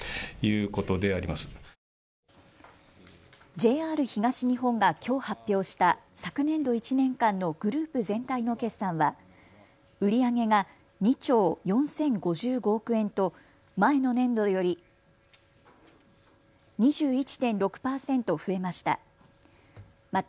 ＪＲ東日本がきょう発表した昨年度１年間のグループ全体の決算は売り上げが２兆４０５５億円と前の年度より２１．６％増えました。